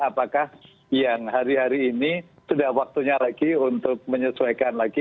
apakah yang hari hari ini sudah waktunya lagi untuk menyesuaikan lagi